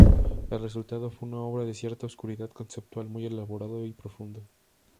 El resultado fue una obra de cierta oscuridad conceptual, muy elaborado y profundo.